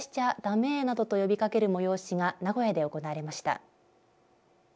メーなどと呼びかける催しが名古屋で行われました。